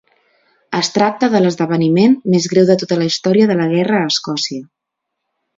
Es tracta de l'esdeveniment més greu de tota la història de la guerra a Escòcia.